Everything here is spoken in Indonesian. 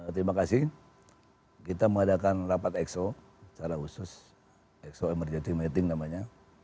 terima kasih kita mengadakan rapat exco secara khusus exco emerging meeting namanya